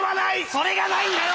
それがないんだよ！